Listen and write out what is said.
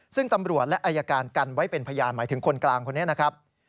ซึ่งตำรวจและอายการกันไว้เป็นพยานหมายถึงคนกลางคนนี้นะครับ